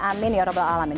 amin ya rabbal alamin